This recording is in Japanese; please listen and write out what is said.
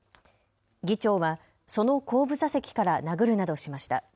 議長はその後部座席から殴るなどしました。